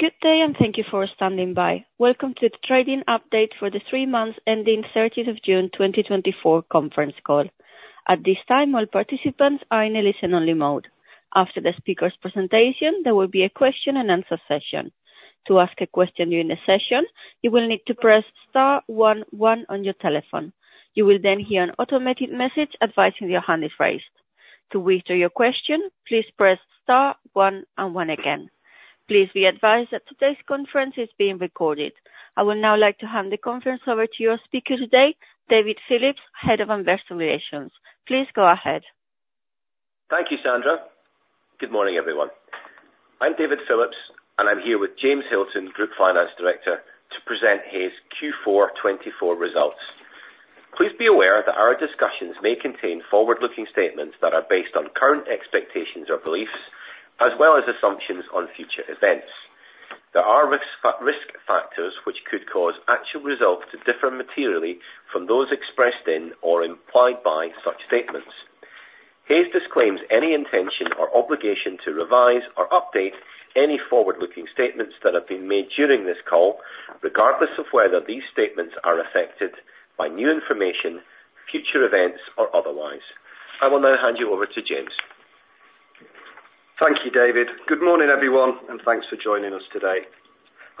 Good day, and thank you for standing by. Welcome to the trading update for the three months ending 30th of June 2024 conference call. At this time, all participants are in a listen-only mode. After the speaker's presentation, there will be a question-and-answer session. To ask a question during the session, you will need to press star one one on your telephone. You will then hear an automated message advising your hand is raised. To withdraw your question, please press star one one again. Please be advised that today's conference is being recorded. I would now like to hand the conference over to your speaker today, David Phillips, Head of Investor Relations. Please go ahead. Thank you, Sandra. Good morning, everyone. I'm David Phillips, and I'm here with James Hilton, Group Finance Director, to present Hays' Q4 2024 results. Please be aware that our discussions may contain forward-looking statements that are based on current expectations or beliefs, as well as assumptions on future events. There are risk factors which could cause actual results to differ materially from those expressed in or implied by such statements. Hays disclaims any intention or obligation to revise or update any forward-looking statements that have been made during this call, regardless of whether these statements are affected by new information, future events, or otherwise. I will now hand you over to James. Thank you, David. Good morning, everyone, and thanks for joining us today.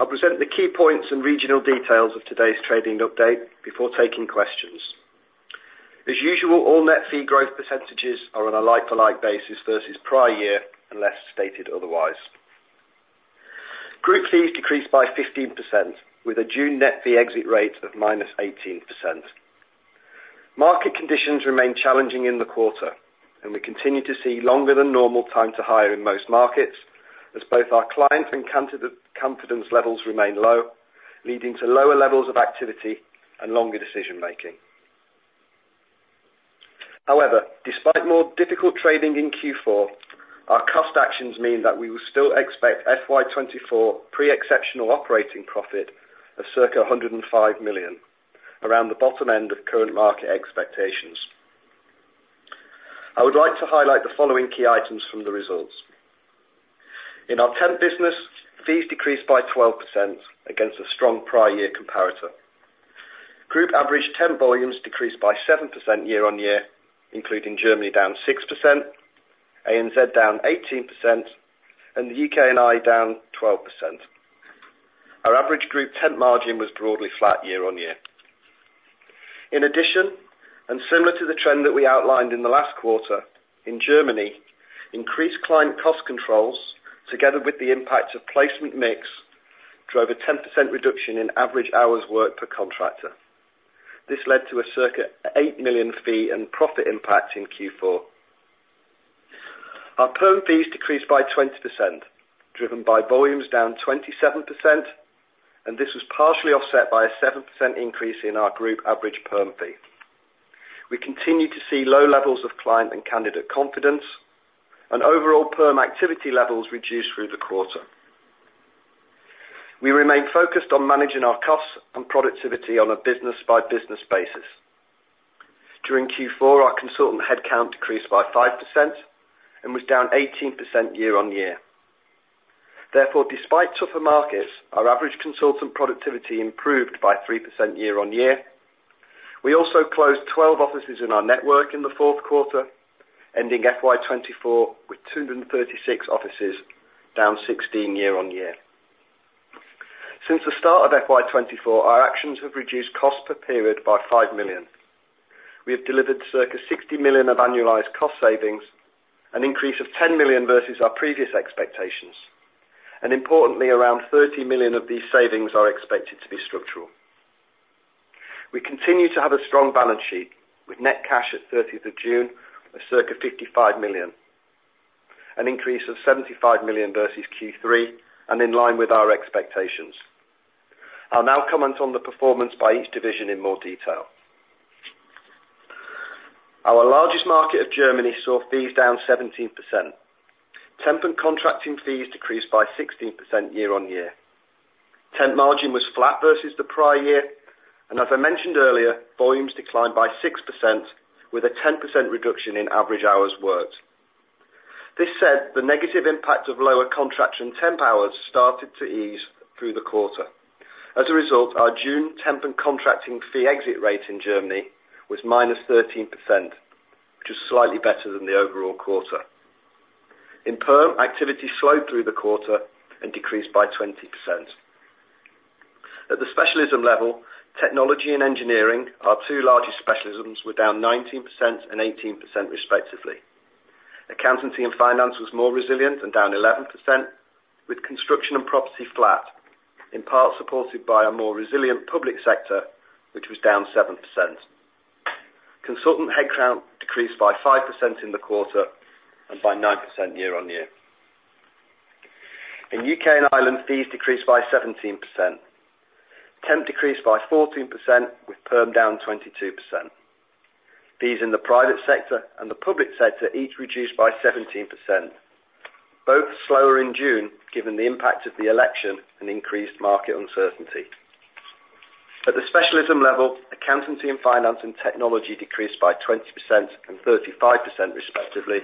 I'll present the key points and regional details of today's trading update before taking questions. As usual, all net fee growth percentages are on a like-for-like basis versus prior year unless stated otherwise. Group fees decreased by 15%, with a June net fee exit rate of -18%. Market conditions remain challenging in the quarter, and we continue to see longer-than-normal time to hire in most markets, as both our client and confidence levels remain low, leading to lower levels of activity and longer decision-making. However, despite more difficult trading in Q4, our cost actions mean that we will still expect FY 2024 pre-exceptional operating profit of circa 105 million, around the bottom end of current market expectations. I would like to highlight the following key items from the results. In our temp business, fees decreased by 12% against a strong prior-year comparator. Group average temp volumes decreased by 7% year-on-year, including Germany down 6%, ANZ down 18%, and the UK&I down 12%. Our average group temp margin was broadly flat year-on-year. In addition, and similar to the trend that we outlined in the last quarter, in Germany, increased client cost controls, together with the impacts of placement mix, drove a 10% reduction in average hours worked per contractor. This led to a circa 8 million fee and profit impact in Q4. Our perm fees decreased by 20%, driven by volumes down 27%, and this was partially offset by a 7% increase in our group average perm fee. We continue to see low levels of client and candidate confidence, and overall perm activity levels reduced through the quarter. We remain focused on managing our costs and productivity on a business-by-business basis. During Q4, our consultant headcount decreased by 5% and was down 18% year-on-year. Therefore, despite tougher markets, our average consultant productivity improved by 3% year-on-year. We also closed 12 offices in our network in the fourth quarter, ending FY 2024 with 236 offices, down 16 year-on-year. Since the start of FY 2024, our actions have reduced cost per period by 5 million. We have delivered circa 60 million of annualized cost savings, an increase of 10 million versus our previous expectations, and importantly, around 30 million of these savings are expected to be structural. We continue to have a strong balance sheet, with net cash at 30th of June of circa 55 million, an increase of 75 million versus Q3, and in line with our expectations. I'll now comment on the performance by each division in more detail. Our largest market of Germany saw fees down 17%. Temp and contracting fees decreased by 16% year-on-year. Temp margin was flat versus the prior year, and as I mentioned earlier, volumes declined by 6%, with a 10% reduction in average hours worked. That said, the negative impact of lower contracts and temp hours started to ease through the quarter. As a result, our June temp and contracting fee exit rate in Germany was -13%, which is slightly better than the overall quarter. In perm, activity slowed through the quarter and decreased by 20%. At the specialism level, technology and engineering, our two largest specialisms, were down 19% and 18% respectively. Accountancy and finance was more resilient and down 11%, with construction and property flat, in part supported by our more resilient public sector, which was down 7%. Consultant headcount decreased by 5% in the quarter and by 9% year-on-year. In U.K. and Ireland, fees decreased by 17%. Temp decreased by 14%, with perm down 22%. Fees in the private sector and the public sector each reduced by 17%, both slower in June given the impact of the election and increased market uncertainty. At the specialism level, accountancy and finance and technology decreased by 20% and 35% respectively.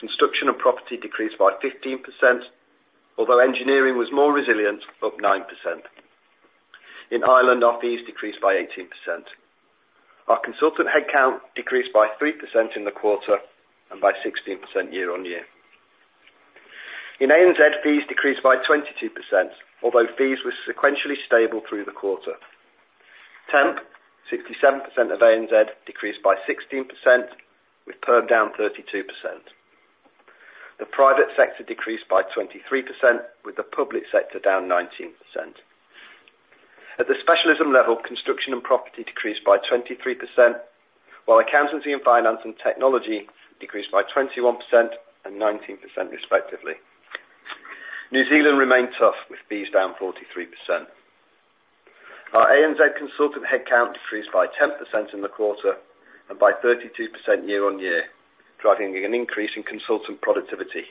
Construction and property decreased by 15%, although engineering was more resilient, up 9%. In Ireland, our fees decreased by 18%. Our consultant headcount decreased by 3% in the quarter and by 16% year-on-year. In ANZ, fees decreased by 22%, although fees were sequentially stable through the quarter. Temp, 67% of ANZ, decreased by 16%, with perm down 32%. The private sector decreased by 23%, with the public sector down 19%. At the specialism level, construction and property decreased by 23%, while accountancy and finance and technology decreased by 21% and 19% respectively. New Zealand remained tough, with fees down 43%. Our ANZ consultant headcount decreased by 10% in the quarter and by 32% year-on-year, driving an increase in consultant productivity.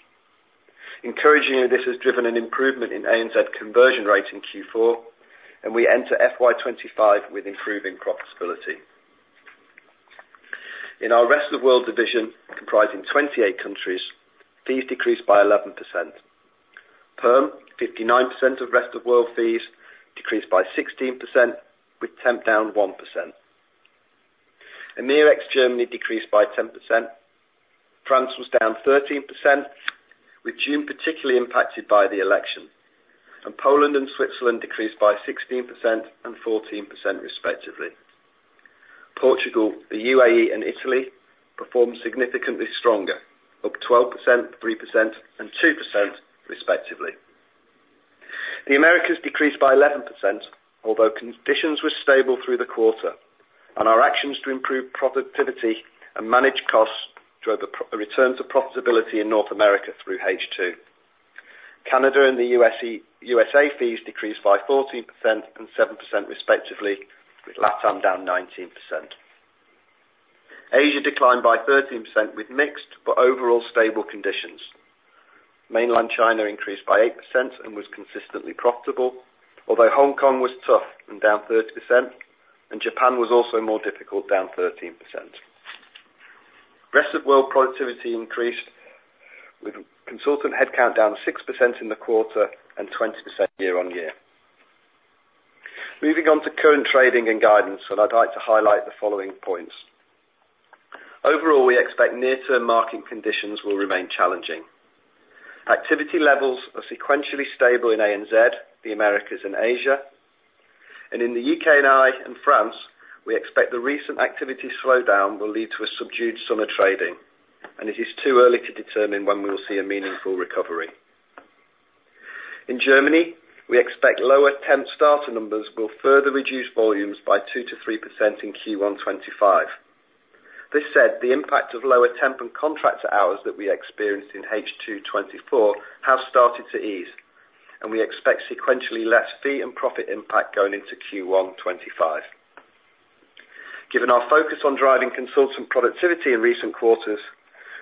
Encouragingly, this has driven an improvement in ANZ conversion rate in Q4, and we enter FY 2025 with improving profitability. In our Rest of World division, comprising 28 countries, fees decreased by 11%. Perm, 59% of Rest of World fees, decreased by 16%, with temp down 1%. Germany decreased by 10%. France was down 13%, with June particularly impacted by the election. Poland and Switzerland decreased by 16% and 14% respectively. Portugal, the UAE, and Italy performed significantly stronger, up 12%, 3%, and 2% respectively. The Americas decreased by 11%, although conditions were stable through the quarter, and our actions to improve productivity and manage costs drove a return to profitability in North America through H2. Canada and the USA fees decreased by 14% and 7% respectively, with LatAm down 19%. Asia declined by 13% with mixed but overall stable conditions. Mainland China increased by 8% and was consistently profitable, although Hong Kong was tough and down 30%, and Japan was also more difficult, down 13%. Rest of World productivity increased, with consultant headcount down 6% in the quarter and 20% year-on-year. Moving on to current trading and guidance, and I'd like to highlight the following points. Overall, we expect near-term market conditions will remain challenging. Activity levels are sequentially stable in ANZ, the Americas, and Asia. In the U.K. and Ireland and France, we expect the recent activity slowdown will lead to a subdued summer trading, and it is too early to determine when we will see a meaningful recovery. In Germany, we expect lower temp starter numbers will further reduce volumes by 2%-3% in Q1 2025. That said, the impact of lower temp and contractor hours that we experienced in H2 2024 has started to ease, and we expect sequentially less fee and profit impact going into Q1 2025. Given our focus on driving consultant productivity in recent quarters,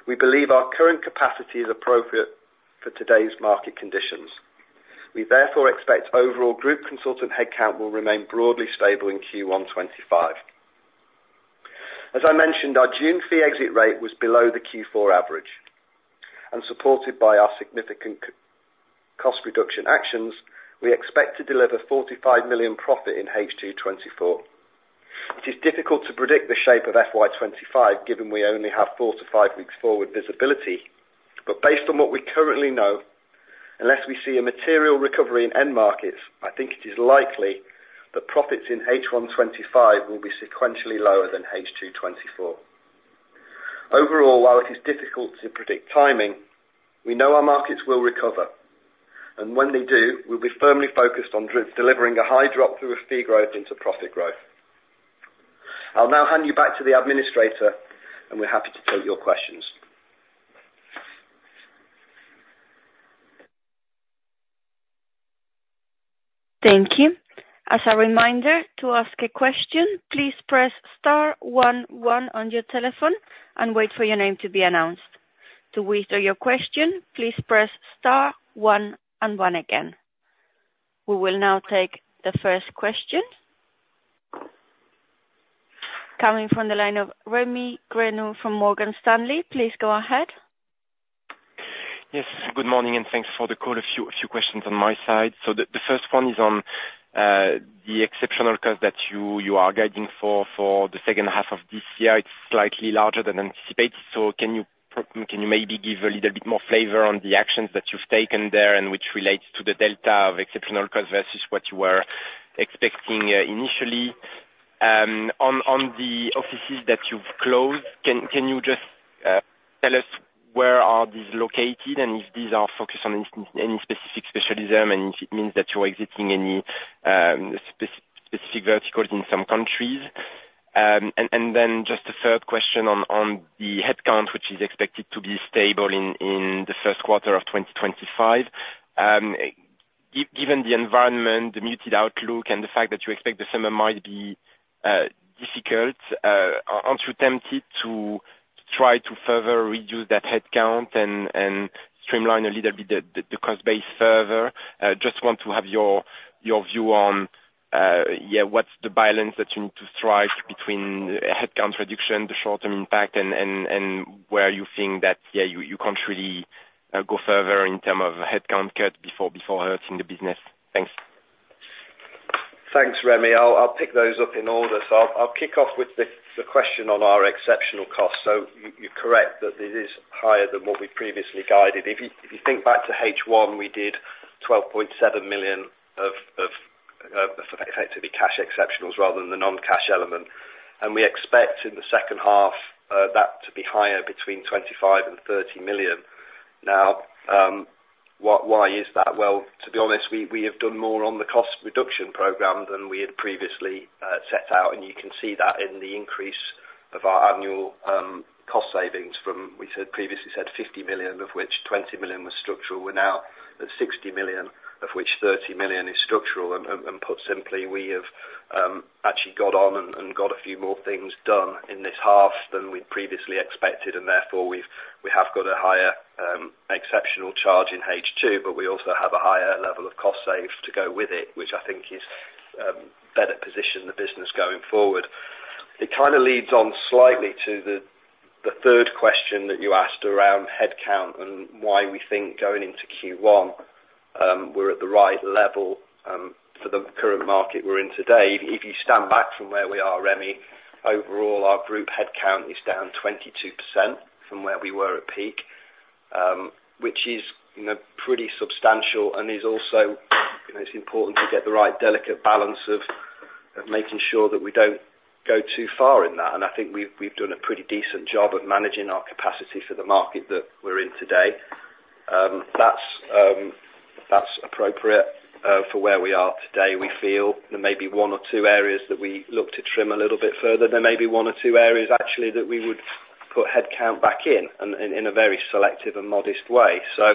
we believe our current capacity is appropriate for today's market conditions. We therefore expect overall group consultant headcount will remain broadly stable in Q1 2025. As I mentioned, our June fee exit rate was below the Q4 average. Supported by our significant cost reduction actions, we expect to deliver 45 million profit in H2 2024. It is difficult to predict the shape of FY 2025, given we only have four to five weeks forward visibility, but based on what we currently know, unless we see a material recovery in end markets, I think it is likely that profits in H1 2025 will be sequentially lower than H2 2024. Overall, while it is difficult to predict timing, we know our markets will recover, and when they do, we'll be firmly focused on delivering a high drop through fee growth into profit growth. I'll now hand you back to the administrator, and we're happy to take your questions. Thank you. As a reminder, to ask a question, please press star one one on your telephone and wait for your name to be announced. To withdraw your question, please press star one and one again. We will now take the first question. Coming from the line of Rémi Grenu from Morgan Stanley. Please go ahead. Yes. Good morning, and thanks for the call. A few questions on my side. So the first one is on the Exceptional Cost that you are guiding for the second half of this year. It's slightly larger than anticipated. So can you maybe give a little bit more flavor on the actions that you've taken there and which relates to the delta of Exceptional Cost versus what you were expecting initially? On the offices that you've closed, can you just tell us where are these located and if these are focused on any specific specialism and if it means that you're exiting any specific verticals in some countries? And then just a third question on the headcount, which is expected to be stable in the first quarter of 2025. Given the environment, the muted outlook, and the fact that you expect the summer might be difficult, aren't you tempted to try to further reduce that headcount and streamline a little bit the cost base further? Just want to have your view on, yeah, what's the balance that you need to strike between headcount reduction, the short-term impact, and where you think that, yeah, you can't really go further in terms of headcount cut before hurting the business. Thanks. Thanks, Rémi. I'll pick those up in order. So I'll kick off with the question on our exceptional cost. So you're correct that it is higher than what we previously guided. If you think back to H1, we did 12.7 million of effectively cash exceptionals rather than the non-cash element. And we expect in the second half that to be higher between 25 million and 30 million. Now, why is that? Well, to be honest, we have done more on the cost reduction program than we had previously set out, and you can see that in the increase of our annual cost savings from, we previously said, 50 million, of which 20 million was structural. We're now at 60 million, of which 30 million is structural. Put simply, we have actually got on and got a few more things done in this half than we previously expected, and therefore we have got a higher exceptional charge in H2, but we also have a higher level of cost save to go with it, which I think is better position the business going forward. It kind of leads on slightly to the third question that you asked around headcount and why we think going into Q1 we're at the right level for the current market we're in today. If you stand back from where we are, Rémi, overall, our group headcount is down 22% from where we were at peak, which is pretty substantial and is also important to get the right delicate balance of making sure that we don't go too far in that. I think we've done a pretty decent job of managing our capacity for the market that we're in today. That's appropriate for where we are today. We feel there may be one or two areas that we look to trim a little bit further. There may be one or two areas, actually, that we would put headcount back in in a very selective and modest way. So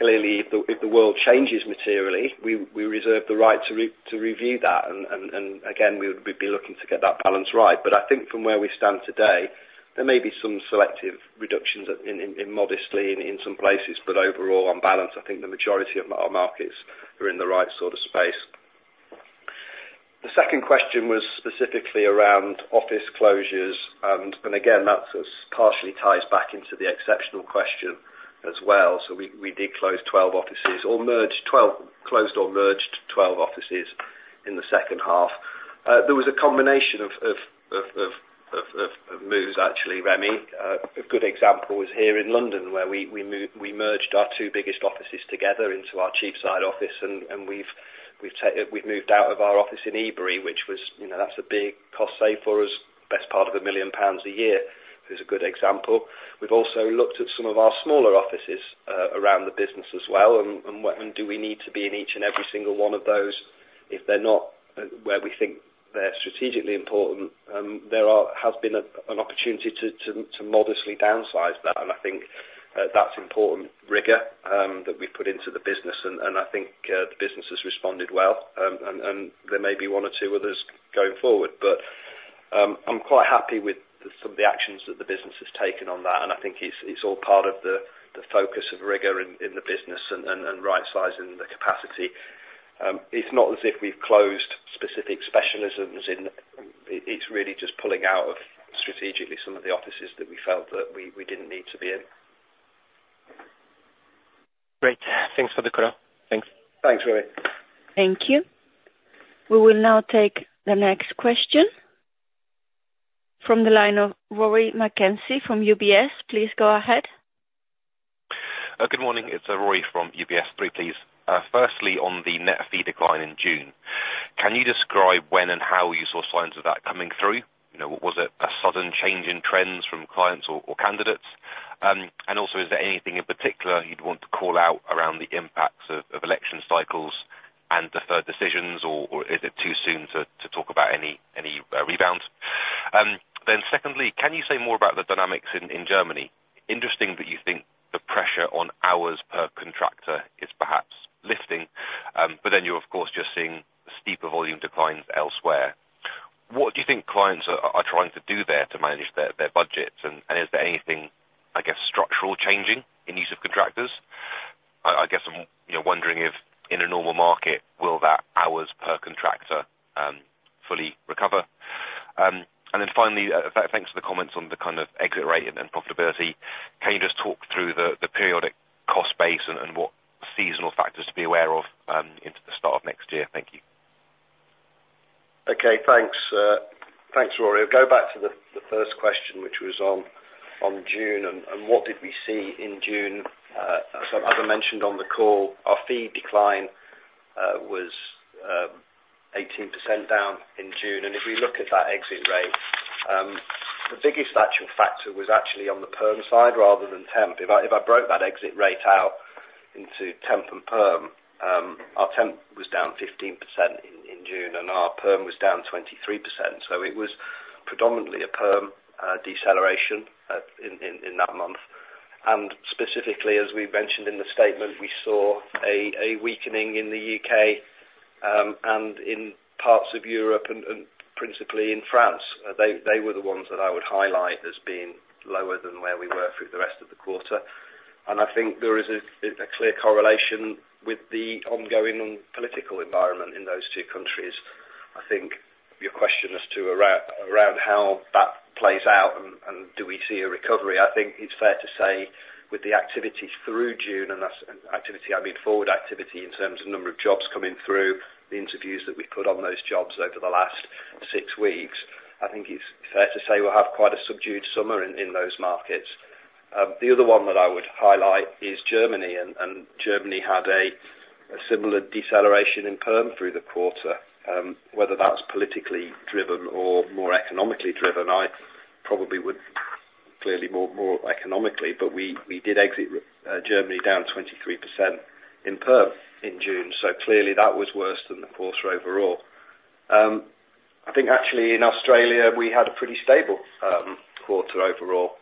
clearly, if the world changes materially, we reserve the right to review that. And again, we would be looking to get that balance right. But I think from where we stand today, there may be some selective reductions and, modestly, in some places, but overall, on balance, I think the majority of our markets are in the right sort of space. The second question was specifically around office closures. And again, that partially ties back into the exceptional question as well. So we did close or merged 12 offices in the second half. There was a combination of moves, actually, Rémi. A good example is here in London where we merged our two biggest offices together into our Cheapside office, and we've moved out of our office in Ebury, which was, that's a big cost save for us, best part of 1 million pounds a year, is a good example. We've also looked at some of our smaller offices around the business as well. Do we need to be in each and every single one of those if they're not where we think they're strategically important? There has been an opportunity to modestly downsize that, and I think that's important. The rigor that we've put into the business, and I think the business has responded well. There may be one or two others going forward, but I'm quite happy with some of the actions that the business has taken on that, and I think it's all part of the focus of rigor in the business and right-sizing the capacity. It's not as if we've closed specific specialisms. It's really just pulling out of strategically some of the offices that we felt that we didn't need to be in. Great. Thanks for the call. Thanks. Thanks, Rémi. Thank you. We will now take the next question from the line of Rory McKenzie from UBS. Please go ahead. Good morning. It's Rory from UBS, three please. Firstly, on the net fee decline in June, can you describe when and how you saw signs of that coming through? Was it a sudden change in trends from clients or candidates? And also, is there anything in particular you'd want to call out around the impacts of election cycles and deferred decisions, or is it too soon to talk about any rebound? Then secondly, can you say more about the dynamics in Germany? Interesting that you think the pressure on hours per contractor is perhaps lifting, but then you're, of course, just seeing steeper volume declines elsewhere. What do you think clients are trying to do there to manage their budgets? And is there anything, I guess, structural changing in use of contractors? I guess I'm wondering if in a normal market, will that hours per contractor fully recover? And then finally, thanks for the comments on the kind of exit rate and profitability. Can you just talk through the periodic cost base and what seasonal factors to be aware of into the start of next year? Thank you. Okay. Thanks. Thanks, Rory. I'll go back to the first question, which was on June. What did we see in June? As I mentioned on the call, our fee decline was 18% down in June. If we look at that exit rate, the biggest actual factor was actually on the perm side rather than temp. If I broke that exit rate out into temp and perm, our temp was down 15% in June, and our perm was down 23%. It was predominantly a perm deceleration in that month. Specifically, as we mentioned in the statement, we saw a weakening in the UK and in parts of Europe and principally in France. They were the ones that I would highlight as being lower than where we were through the rest of the quarter. And I think there is a clear correlation with the ongoing political environment in those two countries. I think your question as to around how that plays out and do we see a recovery, I think it's fair to say with the activity through June, and activity, I mean forward activity in terms of number of jobs coming through, the interviews that we put on those jobs over the last six weeks, I think it's fair to say we'll have quite a subdued summer in those markets. The other one that I would highlight is Germany, and Germany had a similar deceleration in perm through the quarter. Whether that's politically driven or more economically driven, I probably would clearly more economically, but we did exit Germany down 23% in perm in June. So clearly, that was worse than the quarter overall. I think actually in Australia, we had a pretty stable quarter overall.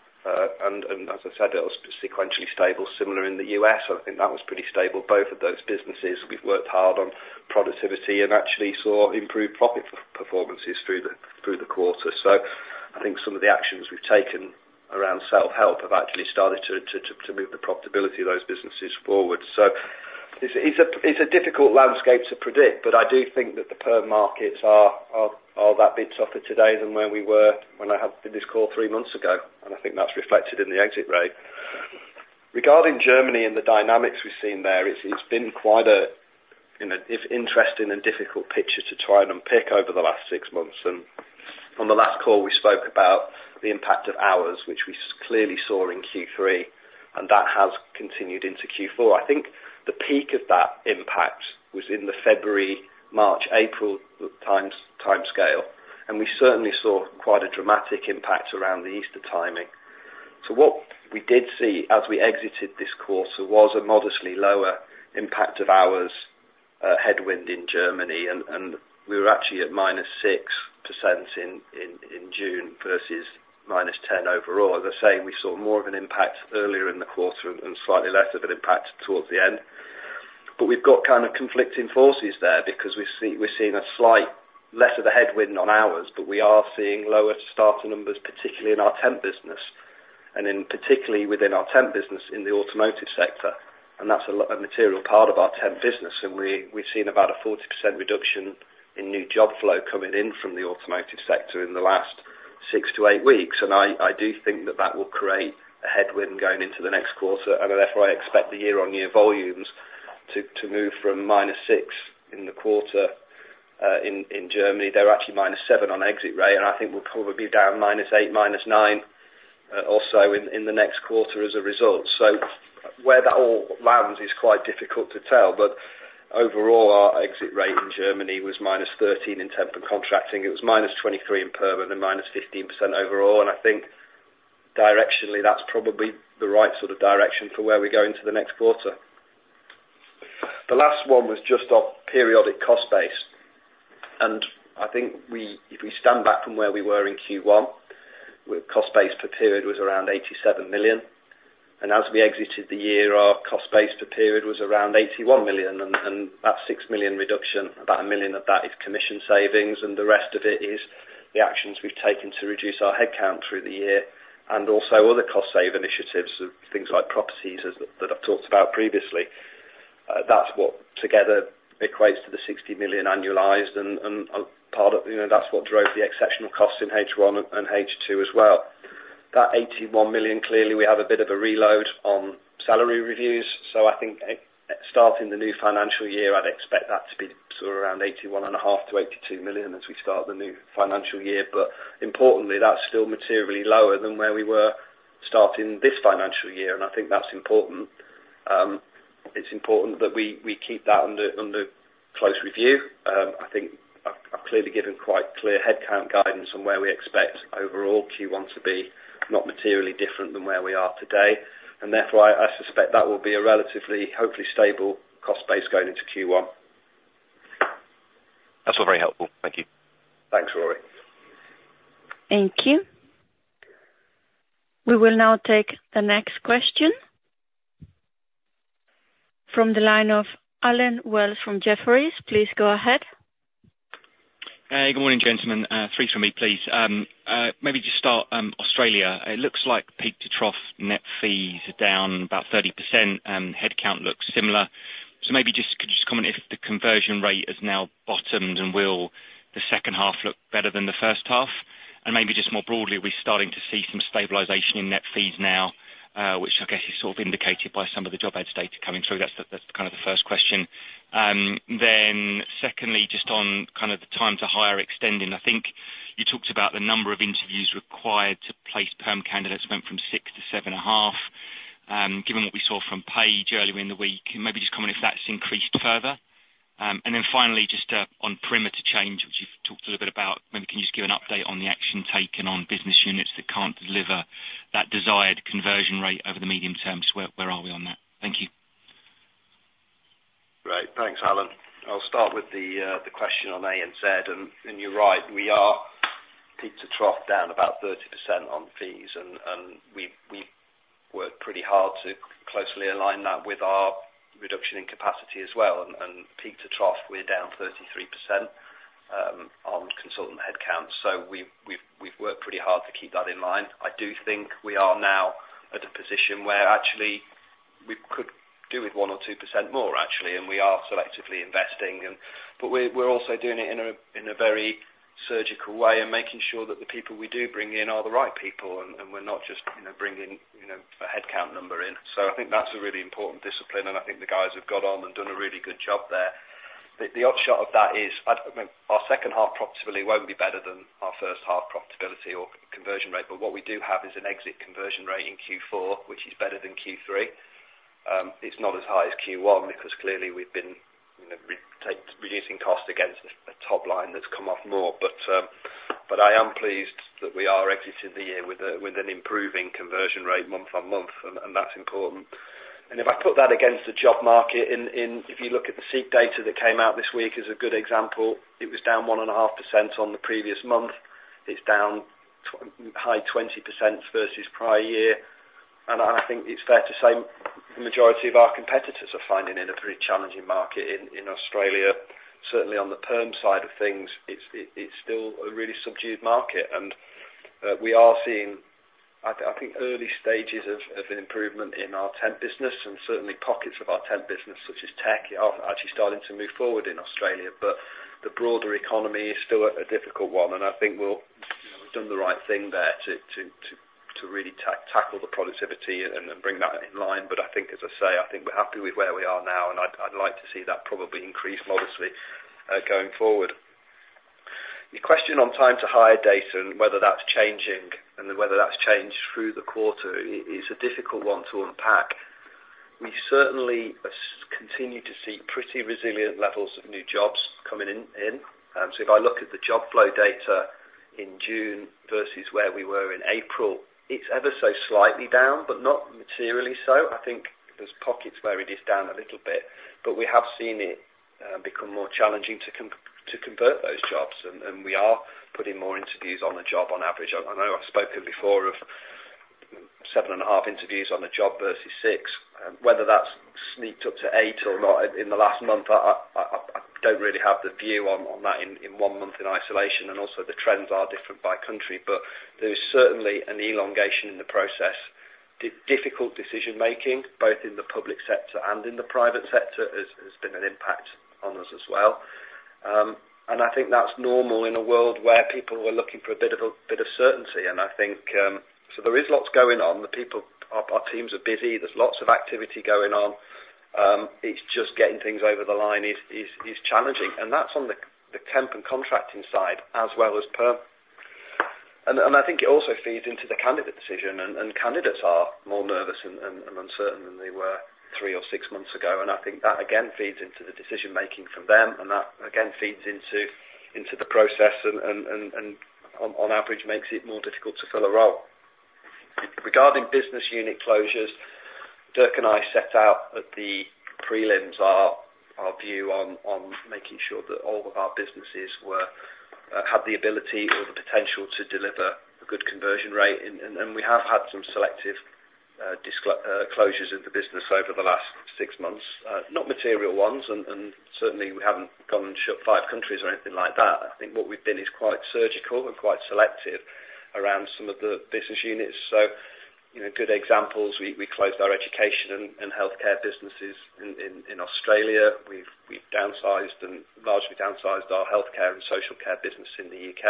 As I said, it was sequentially stable. Similar in the U.S., I think that was pretty stable. Both of those businesses, we've worked hard on productivity and actually saw improved profit performances through the quarter. So I think some of the actions we've taken around self-help have actually started to move the profitability of those businesses forward. So it's a difficult landscape to predict, but I do think that the perm markets are that bit tougher today than where we were when I had this call three months ago, and I think that's reflected in the exit rate. Regarding Germany and the dynamics we've seen there, it's been quite an interesting and difficult picture to try and unpick over the last six months. On the last call, we spoke about the impact of hours, which we clearly saw in Q3, and that has continued into Q4. I think the peak of that impact was in the February, March, April timescale, and we certainly saw quite a dramatic impact around the Easter timing. So what we did see as we exited this quarter was a modestly lower impact of hours headwind in Germany, and we were actually at -6% in June versus -10% overall. As I say, we saw more of an impact earlier in the quarter and slightly less of an impact towards the end. But we've got kind of conflicting forces there because we're seeing a slight less of a headwind on hours, but we are seeing lower starter numbers, particularly in our temp business, and particularly within our temp business in the automotive sector. That's a material part of our temp business, and we've seen about a 40% reduction in new job flow coming in from the automotive sector in the last six to eight weeks. And I do think that that will create a headwind going into the next quarter, and therefore I expect the year-on-year volumes to move from -6% in the quarter in Germany. They're actually -7% on exit rate, and I think we'll probably be down -8%, -9% also in the next quarter as a result. So where that all lands is quite difficult to tell, but overall, our exit rate in Germany was -13% in temp and contracting. It was -23% in perm and then -15% overall. And I think directionally, that's probably the right sort of direction for where we go into the next quarter. The last one was just our periodic cost base. And I think if we stand back from where we were in Q1, cost base per period was around 87 million. And as we exited the year, our cost base per period was around 81 million, and that's a 6 million reduction. About 1 million of that is commission savings, and the rest of it is the actions we've taken to reduce our headcount through the year and also other cost save initiatives, things like properties that I've talked about previously. That's what together equates to the 60 million annualized, and that's what drove the exceptional costs in H1 and H2 as well. That 81 million, clearly, we have a bit of a reload on salary reviews. So I think starting the new financial year, I'd expect that to be sort of around 81.5 million-82 million as we start the new financial year. But importantly, that's still materially lower than where we were starting this financial year, and I think that's important. It's important that we keep that under close review. I think I've clearly given quite clear headcount guidance on where we expect overall Q1 to be, not materially different than where we are today. And therefore, I suspect that will be a relatively, hopefully, stable cost base going into Q1. That's all very helpful. Thank you. Thanks, Rory. Thank you. We will now take the next question from the line of Allen Wells from Jefferies. Please go ahead. Hey, good morning, gentlemen. Three for me, please. Maybe just start Australia. It looks like peak to trough net fees are down about 30%. Headcount looks similar. So maybe just could you just comment if the conversion rate has now bottomed and will the second half look better than the first half? And maybe just more broadly, are we starting to see some stabilization in net fees now, which I guess is sort of indicated by some of the job ads data coming through? That's kind of the first question. Then secondly, just on kind of the time to hire extending, I think you talked about the number of interviews required to place perm candidates went from six to 7.5, given what we saw from Page earlier in the week. Maybe just comment if that's increased further. Then finally, just on perimeter change, which you've talked a little bit about, maybe can you just give an update on the action taken on business units that can't deliver that desired conversion rate over the medium term? So where are we on that? Thank you. Great. Thanks, Allen. I'll start with the question on ANZ. And you're right. We are peak to trough down about 30% on fees, and we've worked pretty hard to closely align that with our reduction in capacity as well. And peak to trough, we're down 33% on consultant headcount. So we've worked pretty hard to keep that in line. I do think we are now at a position where actually we could do with 1% or 2% more, actually, and we are selectively investing. But we're also doing it in a very surgical way and making sure that the people we do bring in are the right people, and we're not just bringing a headcount number in. So I think that's a really important discipline, and I think the guys have got on and done a really good job there. The downside of that is our second half profitability won't be better than our first half profitability or conversion rate. But what we do have is an exit conversion rate in Q4, which is better than Q3. It's not as high as Q1 because clearly we've been reducing cost against a top line that's come off more. But I am pleased that we are exiting the year with an improving conversion rate month-on-month, and that's important. And if I put that against the job market, if you look at the SEEK data that came out this week as a good example, it was down 1.5% on the previous month. It's down high 20% versus prior year. And I think it's fair to say the majority of our competitors are finding it a pretty challenging market in Australia. Certainly on the perm side of things, it's still a really subdued market. We are seeing, I think, early stages of an improvement in our temp business, and certainly pockets of our temp business, such as tech, are actually starting to move forward in Australia. The broader economy is still a difficult one, and I think we've done the right thing there to really tackle the productivity and bring that in line. I think, as I say, I think we're happy with where we are now, and I'd like to see that probably increase modestly going forward. Your question on time to hire data and whether that's changing and whether that's changed through the quarter is a difficult one to unpack. We certainly continue to see pretty resilient levels of new jobs coming in. So if I look at the job flow data in June versus where we were in April, it's ever so slightly down, but not materially so. I think there's pockets where it is down a little bit, but we have seen it become more challenging to convert those jobs, and we are putting more interviews on the job on average. I know I've spoken before of 7.5 interviews on the job versus six. Whether that's sneaked up to eight or not in the last month, I don't really have the view on that in one month in isolation, and also the trends are different by country. But there is certainly an elongation in the process. Difficult decision-making, both in the public sector and in the private sector, has been an impact on us as well. I think that's normal in a world where people were looking for a bit of certainty. I think so there is lots going on. Our teams are busy. There's lots of activity going on. It's just getting things over the line is challenging. That's on the temp and contracting side as well as perm. I think it also feeds into the candidate decision, and candidates are more nervous and uncertain than they were three or six months ago. I think that, again, feeds into the decision-making from them, and that, again, feeds into the process and on average makes it more difficult to fill a role. Regarding business unit closures, Dirk and I set out at the prelims our view on making sure that all of our businesses had the ability or the potential to deliver a good conversion rate. We have had some selective closures of the business over the last six months, not material ones, and certainly we haven't gone and shut five countries or anything like that. I think what we've been is quite surgical and quite selective around some of the business units. So good examples, we closed our education and healthcare businesses in Australia. We've largely downsized our healthcare and social care business in the U.K..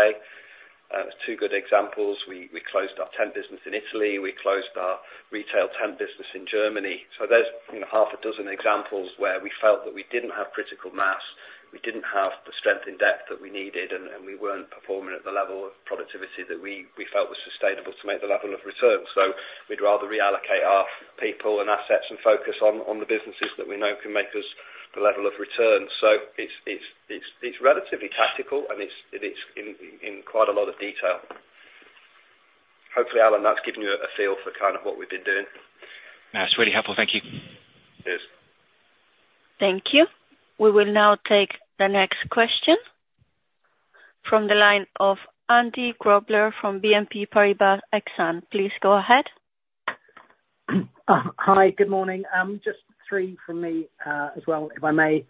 Two good examples, we closed our temp business in Italy. We closed our retail temp business in Germany. So there's half a dozen examples where we felt that we didn't have critical mass. We didn't have the strength and depth that we needed, and we weren't performing at the level of productivity that we felt was sustainable to make the level of return. So we'd rather reallocate our people and assets and focus on the businesses that we know can make us the level of return. So it's relatively tactical, and it's in quite a lot of detail. Hopefully, Allen, that's given you a feel for kind of what we've been doing. No, it's really helpful. Thank you. Cheers. Thank you. We will now take the next question from the line of Andy Grobler from BNP Paribas Exane. Please go ahead. Hi, good morning. Just three from me as well, if I may.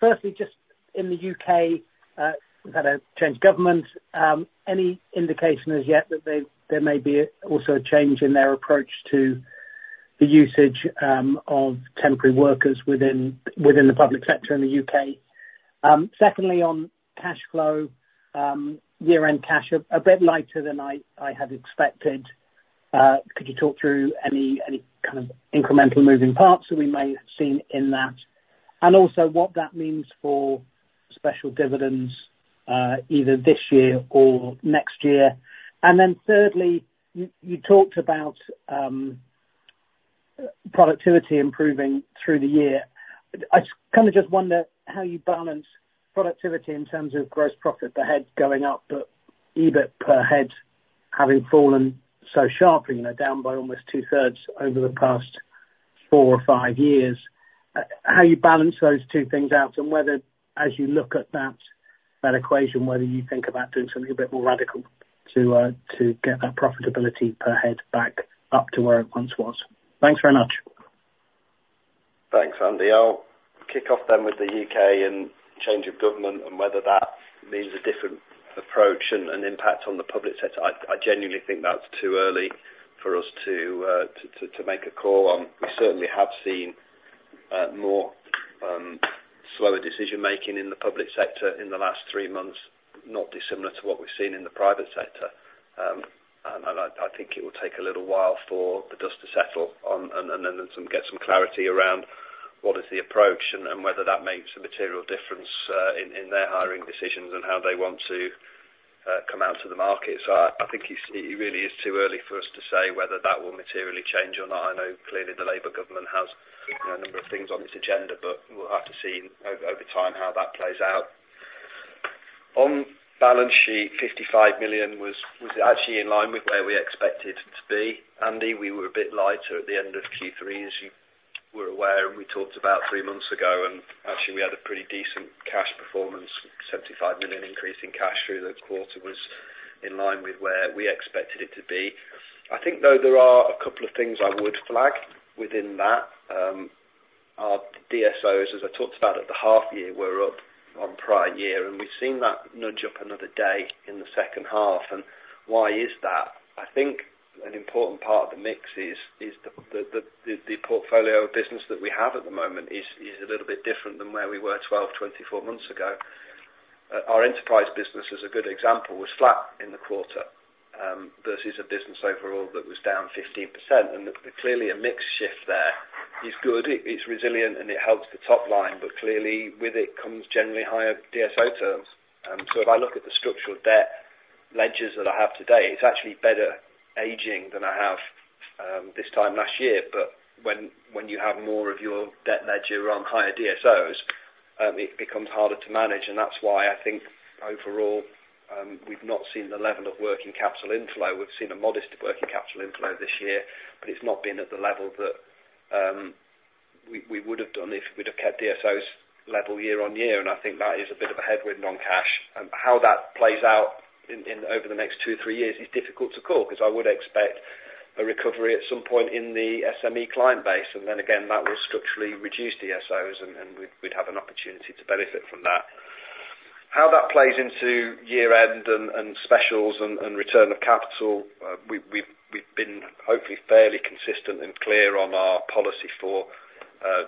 Firstly, just in the U.K., we've had a change of government. Any indication as yet that there may be also a change in their approach to the usage of temporary workers within the public sector in the UK? Secondly, on cash flow, year-end cash, a bit lighter than I had expected. Could you talk through any kind of incremental moving parts that we may have seen in that? And also what that means for special dividends, either this year or next year? And then thirdly, you talked about productivity improving through the year. I kind of just wonder how you balance productivity in terms of gross profit per head going up, but EBIT per head having fallen so sharply, down by almost two-thirds over the past four or five years. How you balance those two things out and whether, as you look at that equation, whether you think about doing something a bit more radical to get that profitability per head back up to where it once was? Thanks very much. Thanks, Andy. I'll kick off then with the U.K. and change of government and whether that means a different approach and impact on the public sector. I genuinely think that's too early for us to make a call on. We certainly have seen more slower decision-making in the public sector in the last three months, not dissimilar to what we've seen in the private sector. I think it will take a little while for the dust to settle and then get some clarity around what is the approach and whether that makes a material difference in their hiring decisions and how they want to come out to the market. I think it really is too early for us to say whether that will materially change or not. I know clearly the Labour government has a number of things on its agenda, but we'll have to see over time how that plays out. On balance sheet, 55 million was actually in line with where we expected to be. Andy, we were a bit lighter at the end of Q3, as you were aware, and we talked about three months ago, and actually we had a pretty decent cash performance. 75 million increase in cash through the quarter was in line with where we expected it to be. I think though there are a couple of things I would flag within that. Our DSOs, as I talked about, at the half year were up on prior year, and we've seen that nudge up another day in the second half. And why is that? I think an important part of the mix is the portfolio of business that we have at the moment is a little bit different than where we were 12, 24 months ago. Our enterprise business, as a good example, was flat in the quarter versus a business overall that was down 15%. And clearly a mixed shift there is good. It's resilient and it helps the top line, but clearly with it comes generally higher DSO terms. So if I look at the structural debt ledgers that I have today, it's actually better aging than I have this time last year. But when you have more of your debt ledger on higher DSOs, it becomes harder to manage. And that's why I think overall we've not seen the level of working capital inflow. We've seen a modest working capital inflow this year, but it's not been at the level that we would have done if we'd have kept DSOs level year-on-year. I think that is a bit of a headwind on cash. How that plays out over the next two or three years is difficult to call because I would expect a recovery at some point in the SME client base. And then again, that will structurally reduce DSOs, and we'd have an opportunity to benefit from that. How that plays into year-end and specials and return of capital, we've been hopefully fairly consistent and clear on our policy for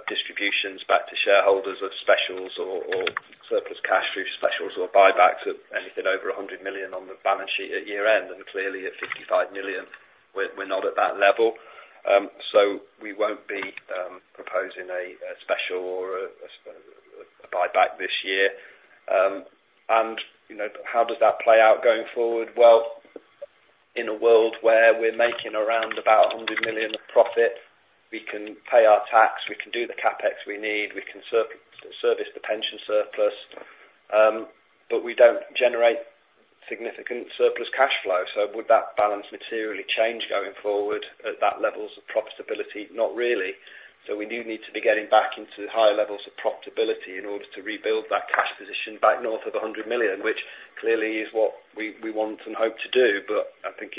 distributions back to shareholders of specials or surplus cash through specials or buybacks of anything over 100 million on the balance sheet at year-end. Clearly at 55 million, we're not at that level. So we won't be proposing a special or a buyback this year. And how does that play out going forward? Well, in a world where we're making around 100 million of profit, we can pay our tax, we can do the CapEx we need, we can service the pension surplus, but we don't generate significant surplus cash flow. So would that balance materially change going forward at that level of profitability? Not really. So we do need to be getting back into higher levels of profitability in order to rebuild that cash position back north of 100 million, which clearly is what we want and hope to do. But I think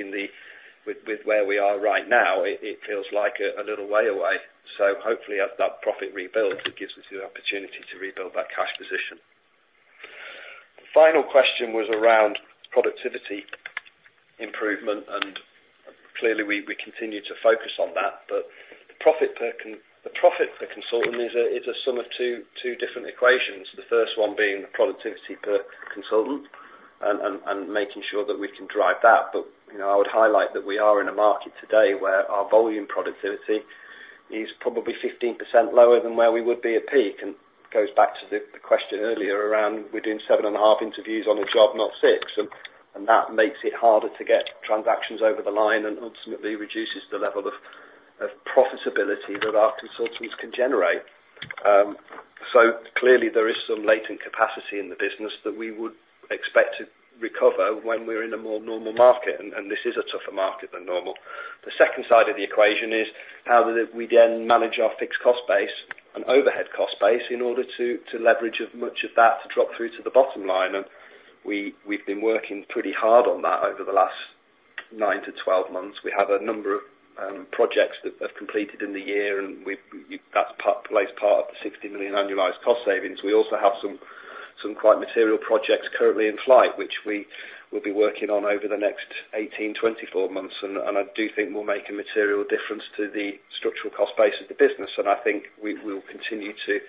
with where we are right now, it feels like a little way away. So hopefully as that profit rebuilds, it gives us the opportunity to rebuild that cash position. Final question was around productivity improvement. Clearly we continue to focus on that, but the profit per consultant is a sum of two different equations. The first one being the productivity per consultant and making sure that we can drive that. I would highlight that we are in a market today where our volume productivity is probably 15% lower than where we would be at peak. It goes back to the question earlier around we're doing 7.5 interviews on a job, not six. That makes it harder to get transactions over the line and ultimately reduces the level of profitability that our consultants can generate. Clearly there is some latent capacity in the business that we would expect to recover when we're in a more normal market, and this is a tougher market than normal. The second side of the equation is how do we then manage our fixed cost base and overhead cost base in order to leverage as much of that to drop through to the bottom line? And we've been working pretty hard on that over the last nine to 12 months. We have a number of projects that have completed in the year, and that's placed part of the 60 million annualized cost savings. We also have some quite material projects currently in flight, which we will be working on over the next 18-24 months. And I do think we'll make a material difference to the structural cost base of the business. And I think we will continue to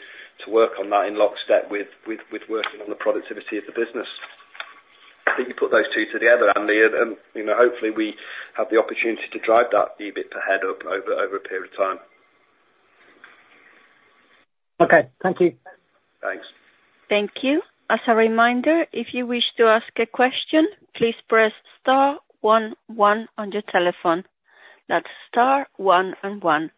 work on that in lockstep with working on the productivity of the business. I think you put those two together, Andy, and hopefully we have the opportunity to drive that EBIT per head up over a period of time. Okay. Thank you. Thanks. Thank you. As a reminder, if you wish to ask a question, please press star one, one on your telephone. That's star one and one.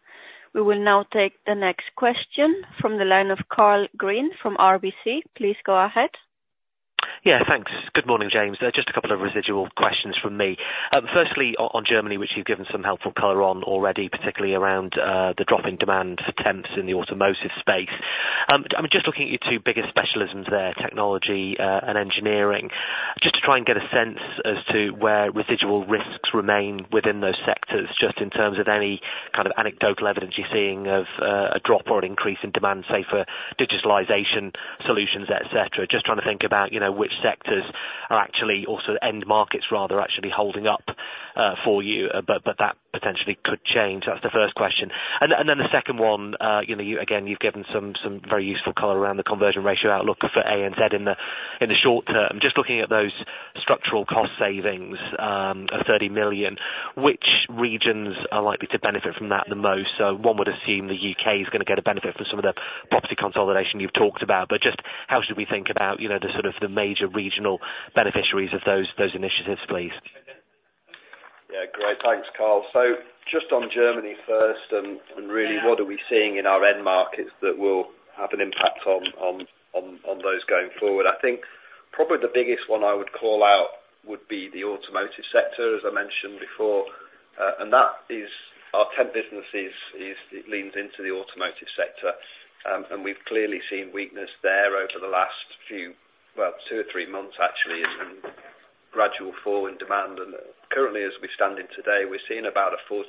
We will now take the next question from the line of Karl Green from RBC. Please go ahead. Yeah, thanks. Good morning, James. Just a couple of residual questions from me. Firstly, on Germany, which you've given some helpful color on already, particularly around the drop in demand for temps in the automotive space. I'm just looking at your two biggest specialisms there, technology and engineering, just to try and get a sense as to where residual risks remain within those sectors, just in terms of any kind of anecdotal evidence you're seeing of a drop or an increase in demand, say, for digitalization solutions, etc. Just trying to think about which sectors are actually also end markets, rather, actually holding up for you, but that potentially could change. That's the first question. And then the second one, again, you've given some very useful color around the conversion ratio outlook for ANZ in the short term. Just looking at those structural cost savings of 30 million, which regions are likely to benefit from that the most? So one would assume the U.K. is going to get a benefit from some of the property consolidation you've talked about. But just how should we think about the sort of major regional beneficiaries of those initiatives, please? Yeah, great. Thanks, Karl. So just on Germany first, and really what are we seeing in our end markets that will have an impact on those going forward? I think probably the biggest one I would call out would be the automotive sector, as I mentioned before. And that is our temp business leans into the automotive sector. And we've clearly seen weakness there over the last few, well, two or three months, actually, and gradual fall in demand. And currently, as we stand in today, we're seeing about a 40%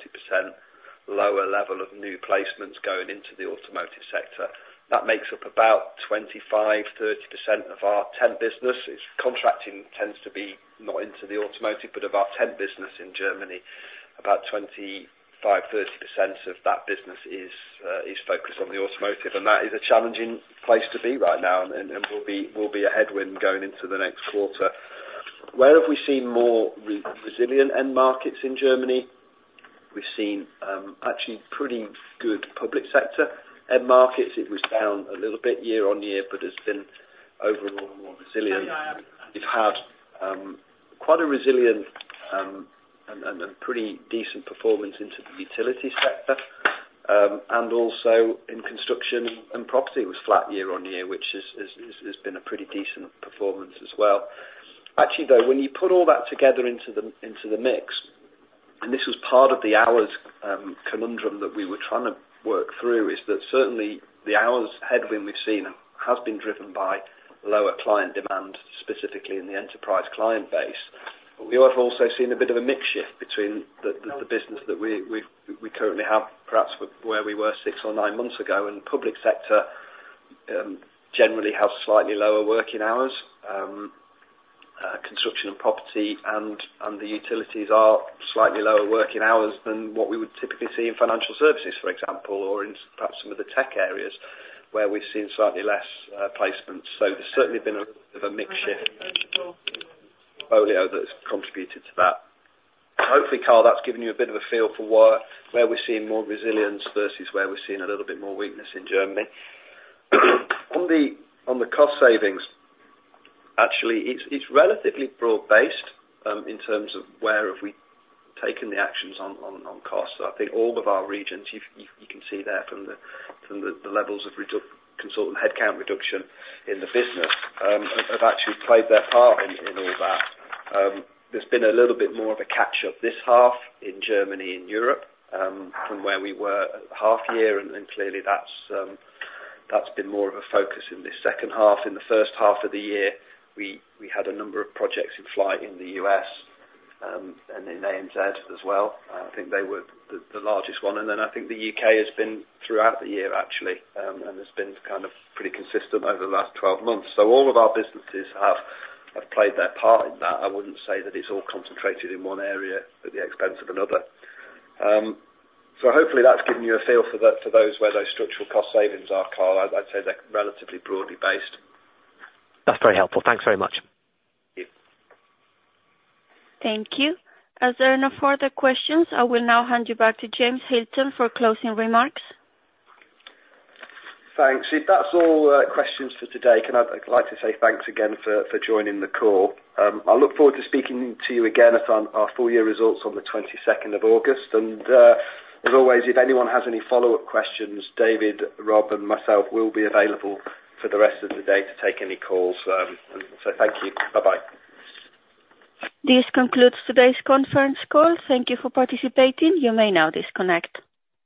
lower level of new placements going into the automotive sector. That makes up about 25%-30% of our temp business. Contracting tends to be not into the automotive, but of our temp business in Germany, about 25%-30% of that business is focused on the automotive. That is a challenging place to be right now, and will be a headwind going into the next quarter. Where have we seen more resilient end markets in Germany? We've seen actually pretty good public sector end markets. It was down a little bit year-on-year, but it's been overall more resilient. We've had quite a resilient and pretty decent performance into the utility sector, and also in construction and property was flat year-on-year, which has been a pretty decent performance as well. Actually, though, when you put all that together into the mix, and this was part of the hours conundrum that we were trying to work through, is that certainly the hours headwind we've seen has been driven by lower client demand, specifically in the enterprise client base. But we have also seen a bit of a mixed shift between the business that we currently have, perhaps where we were six or nine months ago, and public sector generally has slightly lower working hours. Construction and property and the utilities are slightly lower working hours than what we would typically see in financial services, for example, or in perhaps some of the tech areas where we've seen slightly less placements. So there's certainly been a mixed shift in the portfolio that has contributed to that. Hopefully, Carl, that's given you a bit of a feel for where we're seeing more resilience versus where we're seeing a little bit more weakness in Germany. On the cost savings, actually, it's relatively broad-based in terms of where have we taken the actions on costs. I think all of our regions, you can see that from the levels of consultant headcount reduction in the business, have actually played their part in all that. There's been a little bit more of a catch-up this half in Germany and Europe from where we were half year. Clearly, that's been more of a focus in this second half. In the first half of the year, we had a number of projects in flight in the US and in ANZ as well. I think they were the largest one. Then I think the U.K. has been throughout the year, actually, and has been kind of pretty consistent over the last 12 months. All of our businesses have played their part in that. I wouldn't say that it's all concentrated in one area at the expense of another. Hopefully that's given you a feel for those where those structural cost savings are, Karl. I'd say they're relatively broadly based. That's very helpful. Thanks very much. Thank you. Thank you. Are there any further questions? I will now hand you back to James Hilton for closing remarks. Thanks. If that's all questions for today, I'd like to say thanks again for joining the call. I look forward to speaking to you again at our full year results on the 22nd of August. As always, if anyone has any follow-up questions, David, Rob, and myself will be available for the rest of the day to take any calls. Thank you. Bye-bye. This concludes today's conference call. Thank you for participating. You may now disconnect.